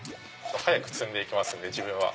早く積んで行きますんで自分は。